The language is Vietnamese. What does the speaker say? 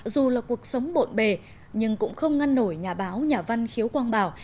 dù là cuộc sống bộn bề nhưng cũng không ngăn nổi nhà báo nhà văn khiếu quang bảo